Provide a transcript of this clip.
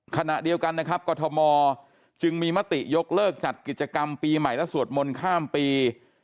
ขณะเดียวกันนะครับกรทมจึงมีมติยกเลิกจัดกิจกรรมปีใหม่และสวดมนต์ข้ามปี